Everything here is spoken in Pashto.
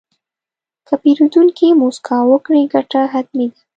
که پیرودونکی موسکا وکړي، ګټه حتمي ده.